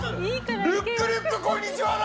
「『ルックルックこんにちは』だ！」